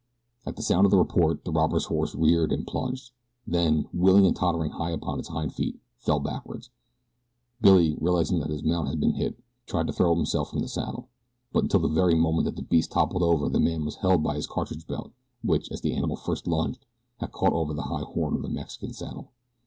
At the sound of the report the robber's horse reared and plunged, then, wheeling and tottering high upon its hind feet, fell backward. Billy, realizing that his mount had been hit, tried to throw himself from the saddle; but until the very moment that the beast toppled over the man was held by his cartridge belt which, as the animal first lunged, had caught over the high horn of the Mexican saddle.